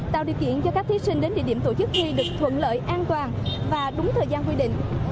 tạo điều kiện cho các thí sinh đến địa điểm tổ chức thi được thuận lợi an toàn và đúng thời gian quy định